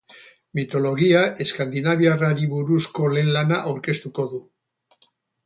Mitologia eskandinaviarrari buruzko lehen lana aurkeztuko du.